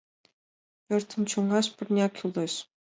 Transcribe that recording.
Пӧртым чоҥаш пырня кӱлеш.